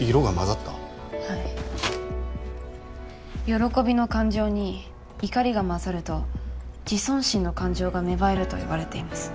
「喜び」の感情に「怒り」が混ざると「自尊心」の感情が芽生えると言われています。